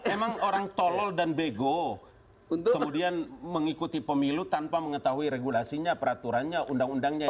emang orang tolol dan bego kemudian mengikuti pemilu tanpa mengetahui regulasinya peraturannya undang undangnya